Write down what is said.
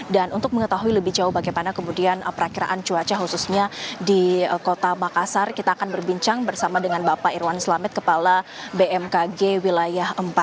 dan untuk mengetahui lebih jauh bagaimana kemudian perakiraan cuaca khususnya di kota makassar kita akan berbincang bersama dengan bapak irwan selamet kepala bmkg wilayah empat